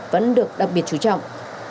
vẫn được đặc biệt chú trọng